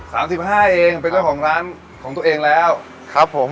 สามสิบห้าเองเป็นเจ้าของร้านของตัวเองแล้วครับผม